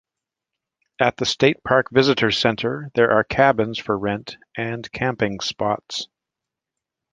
At the state park visitors' center there are cabins for rent and camping spots.